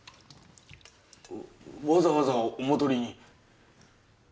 わざわざお戻りに？